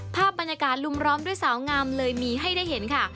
ภาพบรรยากาศลุมร้อมด้วยสาวงามเลยมีให้ได้เห็นค่ะ